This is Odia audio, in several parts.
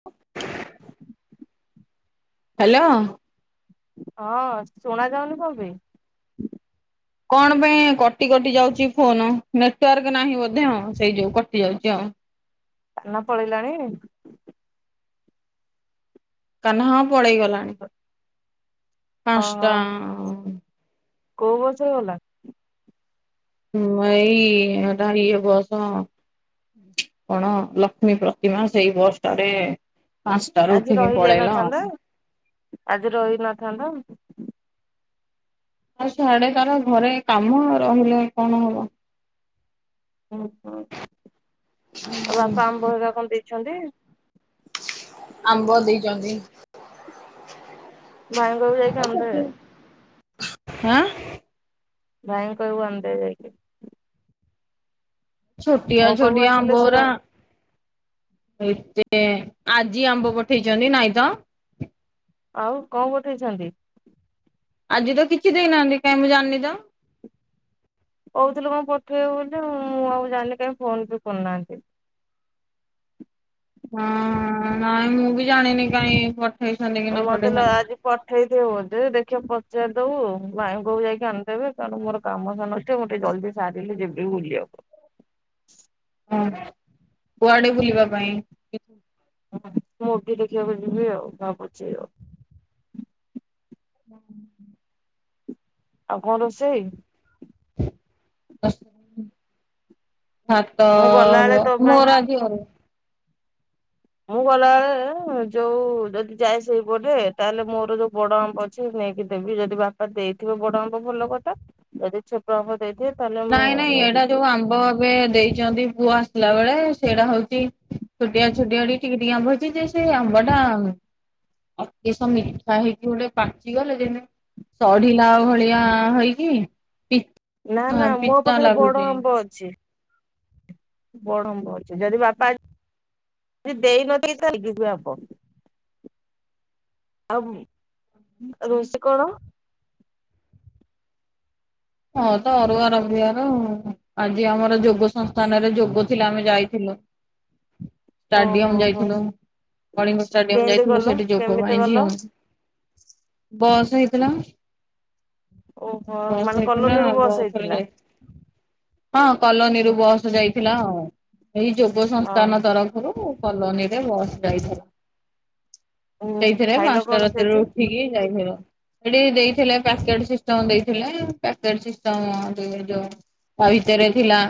ହ। [inaudible] ହ୍ୟାଲୋ। ହଁ ଶୁଣା ଯାଉନି କଣ ପାଇଁ? କଣ ପାଇଁ କଟି କଟି ଯାଉଛି ଫୋନ ନେଟୱାର୍କ ନାହିଁ ବୋଧେଁ ସେଇ ଯୋଉ କଟି ଯାଉଛି ଆଉ। ସାନ ପଳେଇଲାଣି? କାହ୍ନା ହଁ ପଳେଇଗଲାଣି। ଅ ପାଞ୍ଚଟା ହ କୋଉ ବସରେ ଗଲା? ହଁ ଏଇ ଏଟ ଇଏ ବସ କଣ ଲକ୍ଷ୍ମୀ ପ୍ରତିମା ସେଇ ବସ ଟାରେ ପାଞ୍ଚଟାରୁ ଆଜି ଉଠିକି ରହି ପଳେଇଲା ଆଉ। ଯାଇନଥାନ୍ତା ଆଜି ରହିନଥାନ୍ତା? ଆ ସାଡେ ତାର ଘରେ କାମ ରହିଲେ କଣ ହବ। ହୁଁ ହୁଁ ଆ ବାପା ଆମ୍ବହରିକା କଣ ଦେଇଛନ୍ତି? ଆମ୍ବ ଦେଇଛନ୍ତି। [inaudible] ହଁ। ଭାଇଙ୍କୁ କହିବୁ ଆଣି ଦେବେ ଯାଇକି। ଛୋଟିଆ ମୋ ପାଖକୁ ଛୋଟିଆ ଆସିଲେ ଆମ୍ବ ସେ ର ଉରା। ଏତେ ଆଜି ଆମ୍ବ ପଠେଇଛନ୍ତି ନାଇଁ ତ। ଆଉ କଣ ପଠେଇଛନ୍ତି। ଆଜି ତ କିଛି ଦେଇନାହାନ୍ତି କାଇଁ ମୁଁ ଜାଣିନି ତ। କହୁଥିଲୁ କଣ ପଠେଇବୁ ବୋଲି ମୁଁ ଆଉ ଜାଣି ନି କାହିଁ ଫୋନ ବି କରୁନାହାନ୍ତି। ହଁ ନାଇଁ ମୁଁ ବି ଜାଣିନି କାଇଁ। ପଠେଇଛନ୍ତି କି ନ ମତେ ଲୋ ପଠେଇଛନ୍ତି। ଆଜି। ପଠେଇ ଥିବେ ବଧେ ଦେଖିବା ପଚାରି ଦବୁ ଭାଇଙ୍କୁ ଯାଇକି ଆଣିଦେବେ କାରଣ ମୋର। କାମ ଧାମ ନଷ୍ଟେ ଗୋଟେ ଜଲ୍ଦି ସାରିଲେ ଯିବି ବୁଲିବା କୁ। ହଁ କୁଆଡେ ବୁଲିବା ପାଇଁ। ହ। [unintelligible] ହ ମୁଭି ଦେଖିବାକୁ ଯିବି ଆଉ ଭାବୁଛି ଆଉ। ହୁଁ। ଆଉ କଣ ରୋଷେଇ। ହଁ ଭାତ ମୁଁ ଗଲାବେଳେ ହେବ ତୋ ପାଇଁ ମୋର ଆଜି ଆଉ। ମୁଁ ଗଲାବେଳେ ଯୋଉ ଯଦି ଯାଏ ସେଇପଟେ ତାହେଲେ ମୋର ଯୋଉ ବଡ ଆମ୍ୱ। କି ନେଇକି ଦେବି ଯଦି ବାପା ଦେଇଥିବ ବଡ ଆମ୍ବ ଭଲ କଥା ଯଦି ଛୋଟ ଆମ୍ବ ଦେଇଥିବେ ତାହେଲେ ମୁଁ ନାଇଁ ନାଇଁ ନେଇକି ଏଇଟା ଯୋଉ ଯିବି। ଆମ୍ବ ଏ ଦେଇଛନ୍ତି ପୁଅ ଆସିଲା ବେଳେ ସେଇଟା ହଉଛି ଛୋଟିଆ ଛୋଟିଆଟି ଟିକେ ଟିକେ ଆମ୍ବ ହେଇଛି ଯେ ସେ ଆମ୍ବ ଟା ଆଉ ଏସ ମିଠା ହେଇକି ଗୋଟେ ପାଚିଗଲେ ଯେମୀ ସଢ଼ିଲା ଭଳିଆ ହେଇକି ପି ନା ନା ମୋ ପିତା ପାଖରେ ବଡ ଲାଗୁଛି। ଆମ୍ବ ଅଛି ବଡ ଆମ୍ବ ଅଛି ଯଦି ବାପା ଯ ଦେଇନଥ ତ ଆ ହବ [unintelligible] ଆଉ ରୋଷେଇ କଣ ହଁ ତ ଅରୁଆ ରବିବାର ଆଜି ଆମର ଯୋଗ ସଂସ୍ଥାନରେ ଯୋଗ ଥିଲେ ଆମେ ଯାଇଥିଲୁ [inaudible] ଓହୋ ଷ୍ଟାଡିୟମ ହୋ ଯାଇଥିଲୁ କଳିଙ୍ଗ ଷ୍ଟାଡିୟମ କେମିତି ଯାଇଥିଲୁ କଲ? ସେଠି ଯୋଗ କେମିତି ଭାଇ କଲ? ଝିଅ ବସ୍ ହେଇଥିଲା ଓହୋ ମାନେ କ ବସ ରେ ଯାଇଥିଲୁ ହଁ କଲୋନୀରୁୁ ବସ୍ ଯାଇଥିଲା ଆଉ ଏଇ ଯୋଗ ଓହୋ ସଂସ୍ଥାନ ତରଫରୁ କଲୋନୀ ରେ ବସ୍ ଯାଇଥିଲା ଉଁ ସେଇଥିରେ ଖାଇଲ ପାଞ୍ଚଟା କଣ ରାତିରୁ ସେଇଠି? ଉଠିକି ଯାଇଥିଲୁ ସେଠି ଦେଇଥିଲେ ପ୍ୟାକେଟ ସିଷ୍ଟମ ଦେଇଥିଲେ। ପ୍ୟାକେଟ ସିଷ୍ଟମ୍ ଦେଇଥିଲେ ଯୋଉ ତା ଭିତରେ ଥିଲା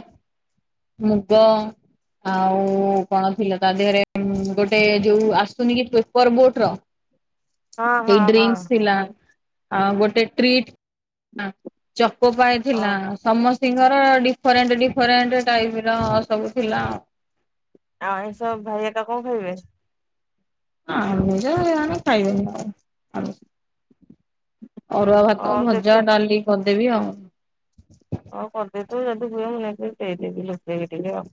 ମୁଗ ଆଉ କଣ ଥିଲା? ତା ଦେହରେ ଗୋଟେ ଯୋଉ ଆସୁନି କି ପେପର ବୋଟ ର ହଁ ହଁ ସେଇ ହଁ ଡ୍ରିଙ୍କ ଥିଲା ଆଉ ଗୋଟେ ଟ୍ରିଟ ଚକୋ ପାଇ ଅ ଥିଲା। ସମସ୍ତଙ୍କର ଡିଫରେଣ୍ଟ ଡିଫରେଣ୍ଟ ଟାଇପ ର ସବୁ ଥିଲା ଆଉ ଆଉ ଏଇ ସବୁ ଭାଇ ଏକା କଣ ଖାଇବେ? ହଁ ଆଣିଲୁ ଯେ ଆମେ ଖାଇବୁନି ଆଉ ଅରୁଆ ଭାତ ହଁ ଭଜା ଦେଖିଆ ଡାଲି କରିଦେବି ଆଉ ହଁ କରିଦେଇଥିବୁ ଯଦି ହୁଏ ମୁଁ ନେଇକି ଦେଇଦେବି ଲପେଇକି ଟିକେ ଆଉ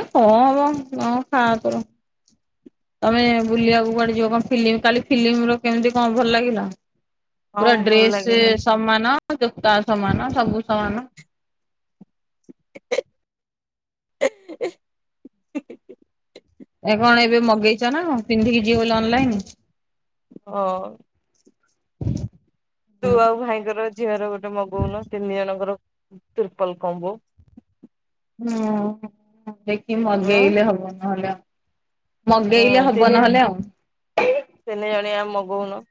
ଏ କଣ ହବ ହଁ ଖା ତୋର। ତମେ ବୁଲିବାକୁ କୁଆଡେ ଯିବ କଣ ଫିଲ୍ମ କାଲି ଫିଲ୍ମ କେମିତି କଣ ଭଲ ଲାଗିଲା। ପୁରା ହଁ ଭଲ ଡ୍ରେସ ଲାଗିଲା। ସମାନ ଜତା ସମାନ ସବୁ ସମାନ। [unintelligible] ଏ କଣ ଏବେ ମଗେଇଛ ନା ପିନ୍ଧିକି ଯିବ ବୋଲି ଅନଲାଇନ୍। ହଁ ତୁ ଆଉ ଭାଇଙ୍କର ଝିଅର ଗୋଟେ ମଗଉନୁ ତିନି ଜଣଙ୍କର ତ୍ରିପ୍ଲ କମ୍ବ। ହୁଁ ଦେଖି ଉଁ ମଗେଇଲେ ହବ ନହେଲେ ଆଉ। ହୁଁ ମଗେଇଲେ ହବ ତିନି ଆ ନହେଲେ ଆଉ। ତିନି ଜଣିଆ ମଗଉନୁ।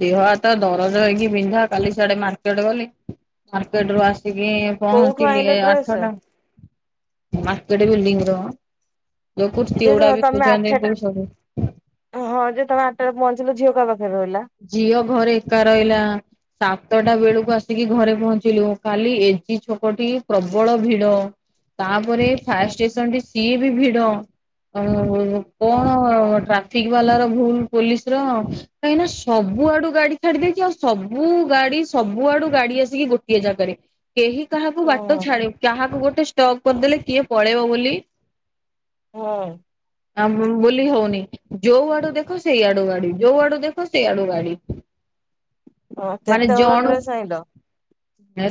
ଦେହ ହାତ ଦରଜ ହେଇକି ବିନ୍ଧା କାଲିସିଆଡେ ମାର୍‌କେଟ ଗଲି। ମାରକେଟ ରୁ ଆସିକି କୋଉଠୁ ପହଞ୍ଚିଲି ଆଣିଲ ଡ୍ରେସ? ଆଠଟା। ମାରକେଟ ବିଲ୍ଡିଂ ର ଯଉ ଏ ଯେ କୁର୍ତିଗୁଡା ବିକୁଛନ୍ତି ତମେ ପୁଜା ଆଠଟା ନେଇ ସୁ ହଁ ଯେ ତମେ ଆଠଟା ପହଞ୍ଚିଲ ଝିଅ ପା ପାଖରେ ରହିଲା। ଝିଅ ଘରେ ଏକା ରହିଲା। ସାତଟା ବେଳକୁ ଆସିକି ଘରେ ପହଞ୍ଚିଲୁ ଖାଲି ଏଜି ଛକଟି ପ୍ରବଳ ଭିଡ। ତାପରେ ଫାୟାର ହୁଁ ଷ୍ଟେସନ ଟି ସିଏ ବି ଭିଡ ଆଉ କଣ ହୁଁ ଟ୍ରା ଟ୍ରାଫିକ୍‌ ବାଲର ଭୁଲ ପୋଲିସ ର କାହିଁକି ନା? ସବୁଆଡୁ ଗାଡି ଛାଡି ଦେଇଛିି ଆଉ ସବୁ ଗାଡି ସବୁଆଡୁ ଗାଡି ଆସିକି ଗୋଟିଏ ଜାଗାରେ। କେହି କାହାକୁ ହୁଁ ବାଟ ଛାଡିବ କାହାକୁ ଗୋଟେ ଷ୍ଟକ୍ କରିଦେଲେ କିଏ ପଳେଇବ ବୋଲି। ହଁ। ଆମ୍‌ ବୁଲି ହଉନି ଯୋଉ ଆଡୁ ଦେଖ ସେଇ ଆଡୁ ମାଡ଼ି ଯୋଉ ଆଡୁ ଦେଖ। ଆଡୁ ଗାଡି ହଁ ମାନେ କେତେ ହଳ ଜଣୁ ଡ୍ରେସ ଆଣିଲ?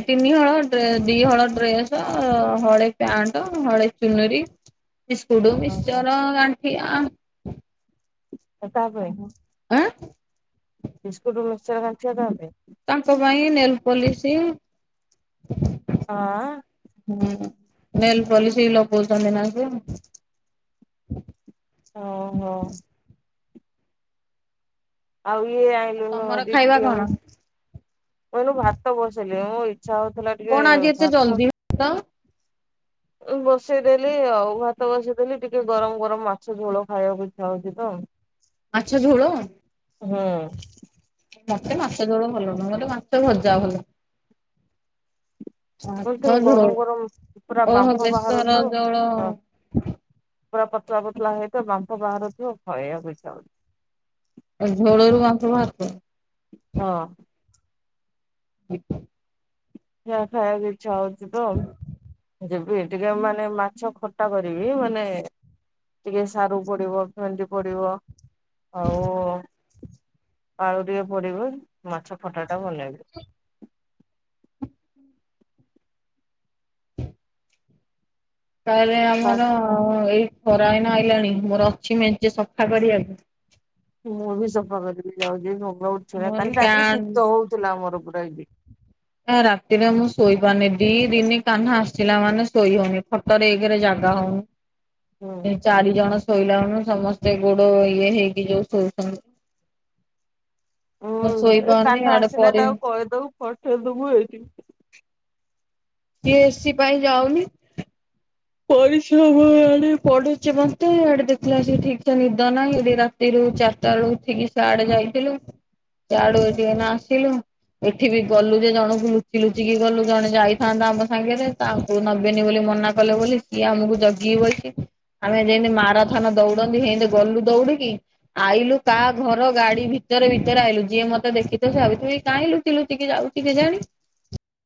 ତିନି ହଳ ଦି ହଳ ଡ୍ରେସ ହଳେ ପ୍ୟାଣ୍ଟ ହଳେ ଚୁନରି। ବିସ୍କୁଟ ଓହୋ ମିକ୍ସଚର ଗାଠିଆ। ତାପରେ। ଉ। ବିସ୍କୁଟ ମିକ୍ସଚର ଙ୍ଗାଠିଆ ଖାନ୍ତି। ତାଙ୍କ ପାଇଁ ନେଲ ପୋଲିସି। ହଁ। ହୁଁ ନେଲପୋଲିସି ଲଗଉଛନ୍ତି ନାଁ ସେ। ଓହୋ। ଆଉ ଇଏ ଆଇଁଲୁ ତମର ଖାଇବା ଦିକିଲୋ। କଣ? କହିଲୁ ଭାତ ବସେଇଲି ମ ଇଚ୍ଛା ହଉଥିଲା ଟିକେ ଆଜି ଏତେ ଭାତ। ଜଲଦି କଣ। ବସେଇଦେଲି ଆଉ ଭାତ ବସେଇଦେଲି ଟିକେ ଗରମ ଗରମ ମାଛ ଝୋଳ ଖାଇବାକୁ ଇଚ୍ଛା ହଉଛି ତ। ମାଛ ଝୋଳ। ହୁଁ ମତେ ମାଛ ଝୋଳ ଭଲ ନୁ ମତେ ମାଛ ଭଜା ଭଲ। କିନ୍ତୁ ମାଛ ଝୋଳ ଗରମ ଗରମ ପୁରା ଓହୋ ବାମ୍ଫ ବେଶର ବାହାରୁଥିବ ଝୋଳ। ହଁ ପୁରା ପତଳା ପତଲା ହେଇଥିବ ବାମ୍ପ ବାହାରୁଥିବ ଖାଇବାକୁ ଇଚ୍ଛା ହୋଉଛି। ଝୋଳରୁ ବାଫ ବାହାରୁ ଥିବ ହଁ। ୍ ଯାହା ଖାଇବାକୁ ଇଚ୍ଛା ହଉଛି ତ ଯା ହୁଏ ଟିକେ ମାନେ ମାଛ ଖଟା କରିବି ମାନେ। ଟିକେ ସାରୁ ପଡିବ ଫେଣ୍ଡି ପଡିବ ଆଉ। ଆଳୁ ଟକେ ପଡିବ ମାଛ ଖଟା ଟା ଭଲ ଲାଗିବ। ତାହେଲେ ଆମର ଏଇ ଖରା ଏଇନା ଆଇଲାଣି ମୋର ଅଛି ମେଞ୍ଚେ ସଫା କରିବାକୁ। ମୁଁ ବି ସଫା କରିକି ଯାଉଛି। ଭଗ ଉଠେଇ ମୋର କାଲି ରାତିରେ ପ୍ୟାନ୍ ଶୀତ ହଉଥିଲା ମୋର ପୁରା ଏଇଠି। ଏ ରାତିରେ ମୁଁ ଶୋଇପାରୁନି। ଦି ଦିନି କହ୍ନା ଆସିଲା ମାନେ ଶୋଇ ହଉନି। ଖଟରେ ଏକେରେ ଜାଗା ହଉନି। । [inaudible] ଏଇ ଚାରି ଜଣ ଶୋଇଲା ମାନେ ସମସ୍ତେ ଗୋଡ ଇଏ ହେଇକି ଯୋଉ ଶୋଉଛନ୍ତି। ହଁ। ମୁଁ ଏ ଶୋଇପାରୁନି କାହ୍ନା ଆଡେ ଆସିଲେ ପରେ ତାକୁ କହିଦବୁ ପଠେଇଦବୁ ଏଇଠିକି। ସିଏ ଏସି ପାଇଁ ଯାଉନି। ପରିଶ୍ରମ ଇଆଡେ ପଡୁଛି ମତେ। ଇଆଡେ ଦେଖିଲାଅସିକି ଠିକସେ ନିଦ ନାହିଁ। ଏଠି ରାତି ରାତିରୁ ଚାରିଟାବେଳୁ ଉଠିକି ସେଆଡେ ଯାଇଥିଲୁ। ସେ ଆଡୁ ଏଇତି ଏଇନା ଆସିଲୁ। ଏଠି ବି ଗଲୁ ଯେ ଜଣଙ୍କୁ ଲୁଚି ଲୁଚିକି ଗଲୁ। ଜଣେ ଯାଇଥାନ୍ତା ଆମ ସାଙ୍ଗରେ ତାଙ୍କୁ ନବିନି ବୋଲି ମନା କଲୁ ବୋଲି ସିଏ ଆମକୁ ଜଗିକି ବଇଚି। ଆମେ ଯେନ୍ତେ ମାରାଥନ ଦୌଡନ୍ତି ହେନ୍ତେ ଗଲୁ ଦୌଡିକି। ଆଇଲୁ କା ଘର ଗାଡି ଭିତରେ ଭିତରେ ଆଇଲୁ। ଯିଏ ମତେ ଦେଖିଥିବ ସେ ଭାବିଥିବ ଏ କାଇଁ ଲୁଚି ଲୁଚି ଲୁଚିକି ଯାଉଛି କେଜାଣି?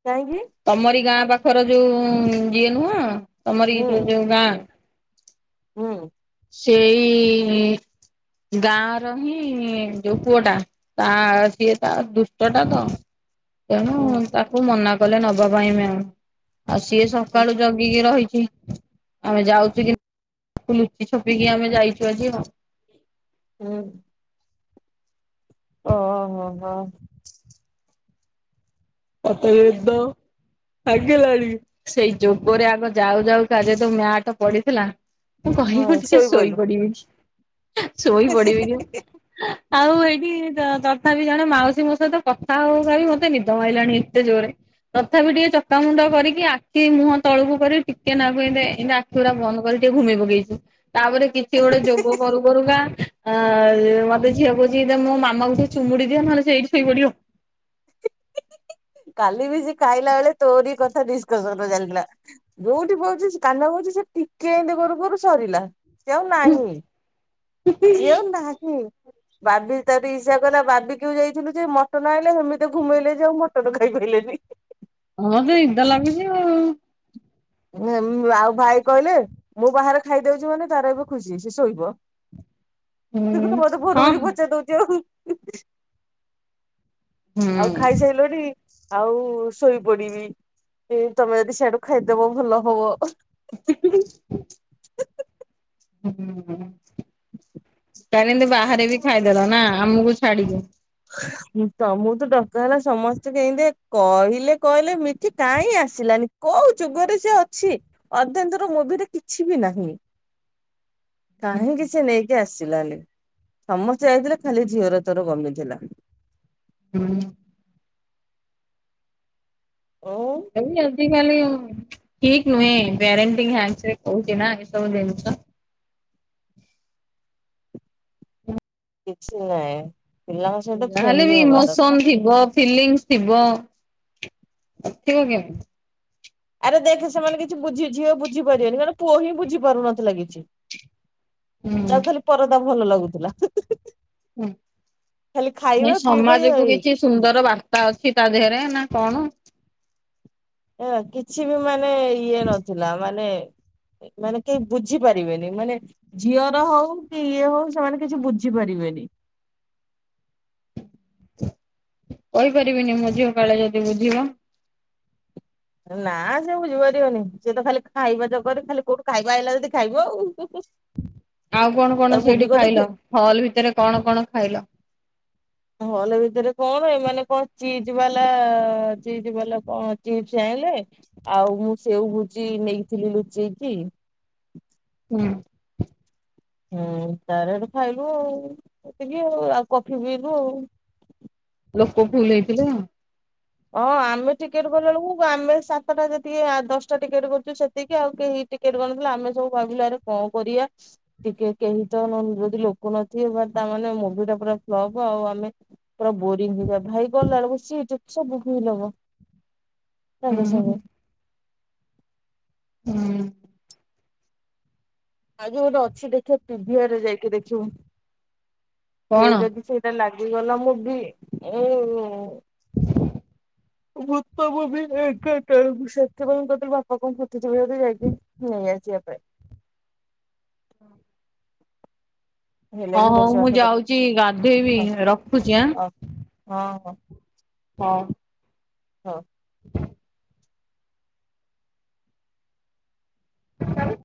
କାହିଁକି? ତମରି ଗାଁ ପାଖର ଯୋଉ ଉଁ ଯିଏ ନୁହଁ ତମରି ହୁଁ ଯୋଉ ଯୋଉ ଗାଁ। ହୁଁ। ସେଇ ଗାଁ ର ହିଁ ଯୋଉ ପୁଅ ଟା ତା ସିଏ ତା ଦୁଷ୍ଟଟା ତ। ତେଣୁ ହୁଁ ତାକୁ ମନା କଲେ ନବା ପାଇଁ ମ୍ୟାମ। ଆଉ ସିଏ ହୁଁ ସକାଳୁ ଜଗିକି ରହିଛି। ଆମେ ଯାଉଚୁ। ହୁଁ ତାକୁ ଲୁଚି ଛପିକି ଆମେ ଯାଇଛୁ ଆଜି ଆଉ। ହୁଁ। ଅ ହ ହ। ଆତେ ଦ ସାଇକେଲ ଆଣିକି। ସେଇ ଯୋଗରେ ଆଗ ଯାଉ ଯାଉ ତା ଦେହରେ ଯୋଉ ମ୍ୟାଟ ପଡିଥିଲା ମୁଁ କହିବୁ ହଁ ଟିକେ ଶୋଇପଇଲୁ। ଶୋଇପଡିବି କି ଶୋଇ ପଡିବି କି? ଆଉ ଏଇଠି ତ ତଥାପି ଜଣେ ମାଉସୀ ମୋ ସହିତ କଥା ହଉ ହଉକା ବି ମତେ ନିଦ ମା ମାଇଲାଣି ଏତେ ଜୋରେ। ତଥାପି ଟିକେ ଚକାମୁଣ୍ଡ କରିକି ଆଖି ମୁହଁ ତଳକୁ କରିକି ଟିକେନାକୁ ଏନ୍ତେ ଏନ୍ତେ ଆଖ ଆଖିଗୁରା ବନ୍ଦ କରି ଟିକେ ଘୁମେଇପକେଇଛି। ତାପରେ କିଛି ଗୋଟେ ଯୋଗ କରୁ କରୁକା ଆ ମତେ ଝିଅ କହୁଛି ଏଇଟା ମୋ ମାମାକୁ ଟିକେ ଚୁମୁଡି ଦିଅ, ନହେଲେ ସିଏ ସେଇଠି ଶୋଇପଡିବ। କାଲି ବି ସେ ଖାଇଲା ବେଳେ ତୋରି କଥା ଡିସକସନ ଚାଲିଥିଲା। ଯୋଉଠି ବଉଛି କାହ୍ନା କହୁଛି ସେ ଟିକେ ଏନ୍ତେ କରୁ କରୁ ସରିଲା। ସେ ଆଉ ନାହିଁ। ସିଏ ଆଉ ନାହିଁ। ବାବି ତାର ଇସା କହିଲା ବାବିକ୍ଯୁ ଯାଇଥିଲୁ ସେ ମଟନ ଆଇଲେ ସେମିତି ଘୁମେଇଲେ ଯଉ ମଟନ ଖାଇ ପାଇଲେନି। ହଁ ମତେ ନିଦ ଲାଗୁଛି ଆଉ। ଆଉ ଭାଇ କହିଲେ ମୁଁ ବାହାରେ ଖାଇଦଉଛି ମାନେ ତାର ଏବେ ଖୁସି, ସେ ଶୋଇବ। ହୁଁ ସେ ତ ସମେତେ ଫୋନ ହଁ କରିକି ପଚାରି ଦଉଛି ଆଉ। ଆଉ ହୁଁ। ଖାଇସାଇଲରି? ଆଉ ଶୋଇପଡିବି। ଉଁ ତମେ ଯଦି ସିଆଡୁ ଖାଇଦବ ଭଲ ହବ। [unintelligible] [unintelligible] କାଲି ଏନ୍ତି ବାହାରେ ବି ଖାଇଦେଲ ନା ଆମକୁ ଛାଡକି। [inaudible] ହୁଁ ତମକୁ ତ ଡକା ହେଲା ସମସ୍ତେ କେନ୍ତି କହିଲେ କହିଲେ ମିଠି କାଇଁ ଆସିଲାନି? କୋଉ ଯୁଗରେ ସେ ଅଛି ଅର୍ଧେନ୍ଧୁର ମୁଭିରେ କିଛି ବି ନାହିଁ। କାହିଁ କିିଛି ନେଇକି ଆସ ଆସିଲାନି ସମସ୍ତେ ଯାଇଥିଲେ ଖାଲି ଝିଅର ତୋର କମିଥିଲା। ହୁଁ। ଓ। ଏଇ ଆଜି କାଲି ଠିକ ନୁହେଁ ପ୍ୟାରେଣ୍ଟିଙ୍ଗ ହ୍ୟାଣ୍ଡସେକ କହୁଛି ନା ଏସବୁ ଜିନିଷ। କିଛି ନାଇଁ ପିଲାଙ୍କ ସହିତ ଯାହାହେଲେ ବି ଫ୍ରେଣ୍ଡଲି ହବା ଇମୋସନ ଦରକାର। ଥିବ ଫିଲିଙ୍ଗ ଥିବ ନଥିବ କେମତି? ଆରେ ଦେଖେ ସେମାନେ କିଛି ବୁଝି ଝିଅ ବୁଝିପାରିବେନି ମାନେ ପୁଅ ହିଁ ବୁଝି ପାରୁନଥିଲା କିଛି। ହୁଁ ତାକୁ ଖାଲି ପରଦା ଭଲ ଲାଗୁଥିଲା। ହୁଁ। ଖାଲି ଏ ଖାଇବା ପିଇବା ଇଏ ସମାଜକୁ ଏଇ କିଛି ସୁନ୍ଦର ବାର୍ତ୍ତା ଅଛି ତା ଦେହରେ ନା କଣ? ଏ କିଛି ବି ମାନେ ଇଏ ନଥିଲା ମାନେ ମାନେ କେହି ବୁଝି ପାରିବେନି ମାନେ ଝିଅର ହଉ କି ଇଏ ହଉ ସେମାନେ କିଛି ବୁଝି ପାରିବେନି। କହିପାରିବିନି ମୋ ଝିଅ କାଳେ ଯଦି ବୁଝିବ। ନା ସେ ବୁଝିପାରିବନି ସିଏ ତ ଖାଲି ଖାଇବା ଚକରରେ ଖାଲି କୋଉଠୁ ଖାଇବା ଆଇଲା ଯଦି ଖାଇବ ଆଉ। [unintelligible] ଆଉ କଣ କଣ ତାର ମୁଭି ସେଇଠି ଦେଖିବ ଖାଇଲ ହଲ୍ ଭିତରେ କଣ କଣ ଖାଇଲ? ହଲ ଭିତରେ କଣ ଏମାନେ କଣ ଚିଜ ବାଲା ଚିଜ୍ ବାଲା କଣ ଚିପ୍ସ ଆଇଁଲେ। ଆଉ ମୁଁ ସେଉ ଭୁଜି ନେଇଥିଲି ଲୁଚେଇକି। ହୁଁ। ହୁଁ ତାରେ ହେଠୁ ଖାଇଲୁ ଆଉ ସେତିକି ଆଉ ଆଉ କଫି ପିଇଲୁ ଆଉ। ଲୋକ ଫୁଲ ହେଇ ଥିଲେ ଆଉ। ହଁ ଆମେ ଟିକେଟ କଲା ବେଳକୁ ଆମେ ସାତଟା ଯେତିକି ଦଶଟା ଟିକେଟ କରୁଛୁ ସେତିକି ଆଉ କେହି ଟିକେଟ ବନ୍ଦ ଥିଲା ଆମେ ସବୁ ଭାବିଲୁ ଆରେ କଣ କରିବା? ଟିକେ କେହି ତ ଯଦି ଲୋକ ନଥିବେ ବା ତାମାନେ ମୁଭିଟା ପୁରାଫ୍ଲପ ଆଉ ଆମେ ପୁରା ବୋରିଙ୍ଗ ହେଇଯାଏ ଭାଇ ଗଲା ବେଳକୁ ସିଟ ସବୁ ଫିଲପ ହୁଁ ସାଙ୍ଗେ ହୁଁ। ସାଙ୍ଗେ। ହୁଁ। ଆଜି ଗୋଟେ ଅଛି ଦେଖିବା ପିଭିଆରେ ଯାଇକି ଦେଖିବୁ ସେ କଣ? ଯଦି ସେ ସେ ଲାଗିଗଲା ମୁଭି ଏଇଉଁ [inaudible] ଭୂତ ମୁଭି ଏଗାର ଟା ଆଳୁକୁ ସେଥି ପାଇଁ ତତେ ବା [unintelligible] ନେଇ ଆସିଆ। ହଁ। ହେଲେ ହଁ ହଉ ମୁଁ ରୋଷେଇବାସ କରିବି ଯାଉଛି ଗାଧେଇବି ହଁ ରଖୁଛି ଆଁ। ହଁ। ହଁ ହଁ। ହଁ। ହ। [inaudible] [unintelligible] ଟାରେ।